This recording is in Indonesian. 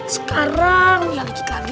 sekarang ya dikit lagi